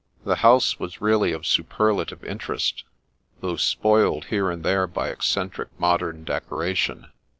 The house was really of superlative interest, though spoiled here and there by eccentric mod em decoration.